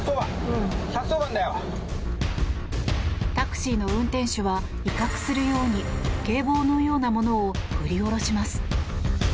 タクシーの運転手は威嚇するように警棒のようなものを振り下ろします。